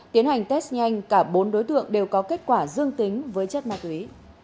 tiến hành test nhanh cả bốn đối tượng đều có kết quả dương tính với chất ma túy